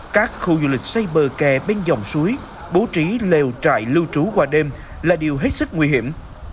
các khu du lịch xây bờ kè bên dòng suối bố trí lều trại lưu trú qua đêm là điều hết sức nguy hiểm